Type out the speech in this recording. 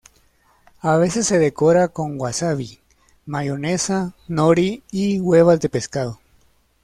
A veces se decora con wasabi, mayonesa, nori y huevas de pescado.